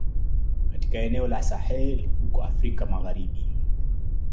katika eneo la Sahel huko Afrika magharibi